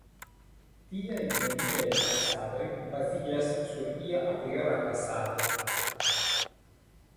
Tiaj ne vidaj taksadoj baziĝas sur ia apriora klasado.